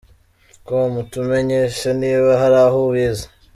com utumenyeshe niba hari aho ubizi.